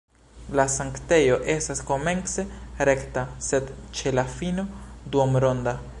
La sanktejo estas komence rekta, sed ĉe la fino duonronda.